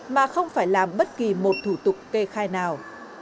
mà không phải làm bất kỳ một thủ tục kê khai nào